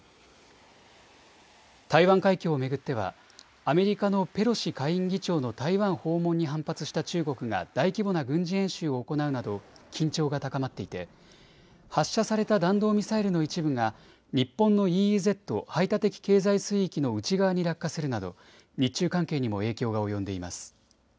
台湾海峡を巡ってはアメリカのペロシ下院議長の台湾訪問に反発した中国が大規模な軍事演習を行うなど緊張が高まっていて発射された弾道ミサイルの一部が日本のＥＥＺ・排他的経済水域の内側に落下するなど日中関係にも影響が及んでいます。